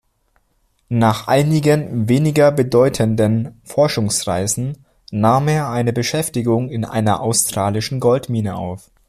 Nach einigen weniger bedeutenden Forschungsreisen nahm er eine Beschäftigung in einer australischen Goldmine auf.